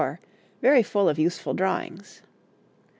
Very full of useful drawings.